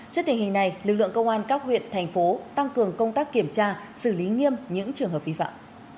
trước tình hình này lực lượng công an các huyện thành phố tăng cường công tác kiểm tra xử lý nghiêm những trường hợp vi phạm